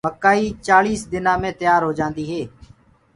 مڪآئي چآݪيس دنآ مي تيآر هوجآندي هي۔